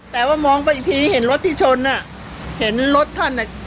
แต่ว่ามองไปอีกทีเห็นรถที่ชนอ่ะเห็นรถท่านอ่ะ